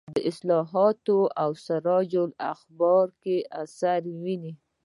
د اصلاحاتو او سراج الاخبار کې اثر ویني.